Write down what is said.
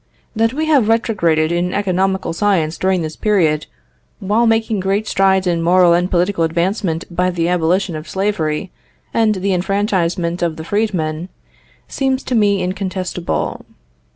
That we have retrograded in economical science during this period, while making great strides in moral and political advancement by the abolition of slavery and the enfranchisement of the freedmen, seems to me incontestable.